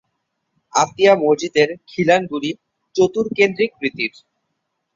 আতিয়া মসজিদের খিলানগুলি চতুর্কেন্দ্রিক রীতির।